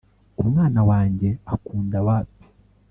umwana wanjye akunda wape